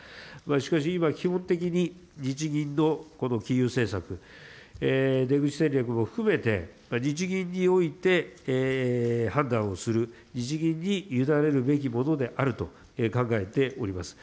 しかし、今、基本的に日銀のこの金融政策、出口戦略も含めて日銀において判断をする、日銀にゆだねるべきものであると考えております。